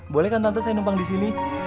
boleh kan tante saya numpang disini